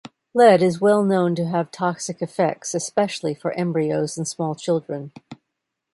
Lead is well known to have toxic effects, especially for embryos and small children.